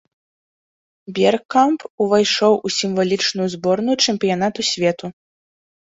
Бергкамп увайшоў у сімвалічную зборную чэмпіянату свету.